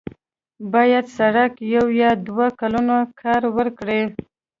باید سړک یو یا دوه کلونه کار ورکړي.